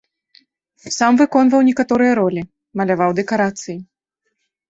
Сам выконваў некаторыя ролі, маляваў дэкарацыі.